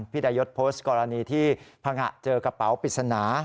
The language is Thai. ดายศโพสต์กรณีที่พังงะเจอกระเป๋าปริศนา